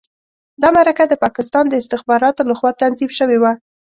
دا مرکه د پاکستان د استخباراتو لخوا تنظیم شوې وه.